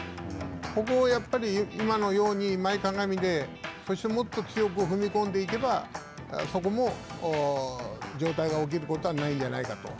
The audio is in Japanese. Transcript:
ここをやっぱり今のように前かがみでそしてもっと強く踏み込んでいけばそこも上体が起きることはないんじゃないかと。